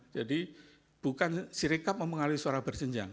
jadi bukan sirikap mempengaruhi suara berjenjang